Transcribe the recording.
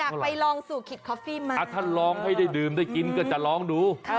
ไปลองสู่คิดคอฟฟี่ไหมถ้าลองให้ได้ดื่มได้กินก็จะลองดู